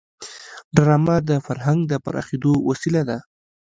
ډرامه د فرهنګ د پراخېدو وسیله ده